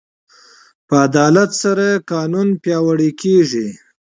په عدالت سره قانون پیاوړی کېږي.